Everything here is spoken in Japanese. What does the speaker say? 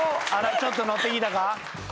ちょっと乗ってきたか？